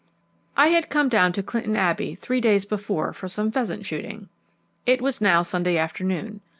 I had come down to Clinton Abbey three days before for some pheasant shooting. It was now Sunday afternoon.